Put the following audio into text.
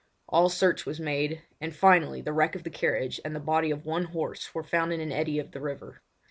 All search was made, and finally the wreck of the carriage and the body of one horse were found in an eddy of the river.